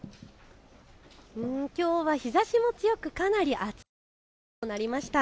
きょうは日ざしも強くかなり暑い一日となりました。